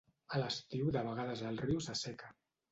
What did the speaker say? A l'estiu de vegades el riu s'asseca.